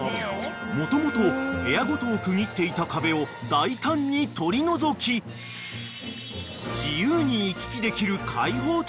［もともと部屋ごとを区切っていた壁を大胆に取り除き自由に行き来できる開放的